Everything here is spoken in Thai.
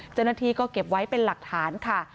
เจ้าหน้าที่ก็เก็บไว้เป็นหลักฐานค่ะ